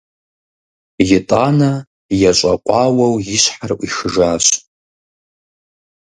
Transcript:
ИтӀанэ ещӀэкъуауэу и щхьэр Ӏуихыжащ.